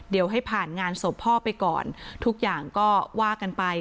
เดี๋ยวให้ผ่านงานศพพ่อไปก่อนทุกอย่างก็ว่ากันไป